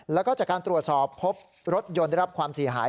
แล้วก็จากการตรวจสอบพบรถยนต์ได้รับความเสียหาย